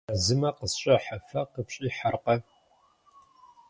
Газымэ къысщӏехьэ, фэ къыфщӏихьэркъэ?